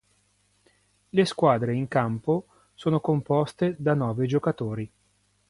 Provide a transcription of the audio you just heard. Le squadre in campo sono composte da nove giocatori.